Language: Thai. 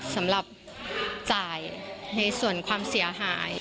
สำหรับจ่ายในส่วนความเสียหาย